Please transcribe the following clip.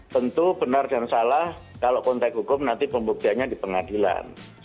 tentu benar dan salah kalau konteks hukum nanti pembuktiannya di pengadilan